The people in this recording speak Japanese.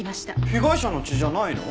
被害者の血じゃないの？